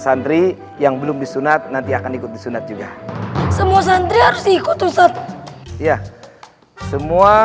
santri yang belum disunat nanti akan ikut disunat juga semua santri harus ikut ustadz ya semua